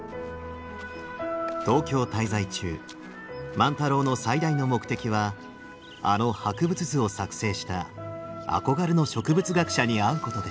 東京滞在中万太郎の最大の目的はあの博物図を作成した憧れの植物学者に会うことでした。